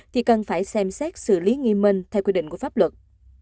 thì cần phải xem xét xử lý nghiêm minh theo quy định của pháp luật